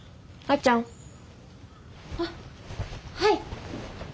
あっはい。